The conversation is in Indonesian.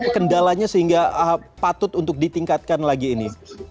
kendalanya sehingga patut untuk ditingkatkan lagi ini